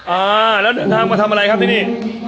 อ่าแล้วเดินทางมาทำอะไรครับที่นี่